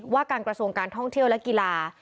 ว่าการกระทรวงการท่องเที่ยวและกีฬา